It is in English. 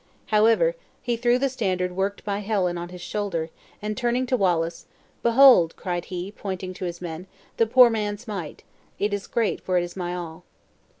However he threw the standard worked by Helen on his shoulder, and turning to Wallace, "Behold," cried he, pointing to his men, "the poor man's mite! It is great, for it is my all!"